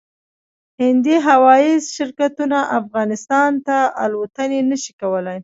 هندي هوايي شرکتونه افغانستان ته الوتنې نشي کولای